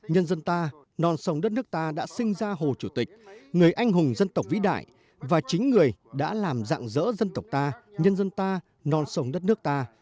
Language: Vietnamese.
hồ chủ tịch người anh hùng dân tộc vĩ đại và chính người đã làm dạng dỡ dân tộc ta nhân dân ta non sống đất nước ta